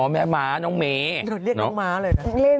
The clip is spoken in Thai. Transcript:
เรียกน้องม้าเลยนะ